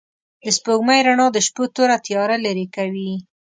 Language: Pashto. د سپوږمۍ رڼا د شپو توره تياره لېرې کوي.